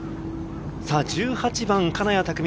１８番、金谷拓実。